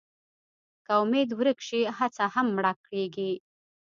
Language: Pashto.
که امېد ورک شي، هڅه هم مړه کېږي.